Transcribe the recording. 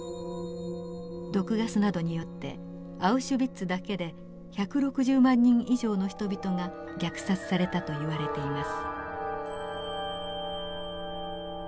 毒ガスなどによってアウシュビッツだけで１６０万人以上の人々が虐殺されたといわれています。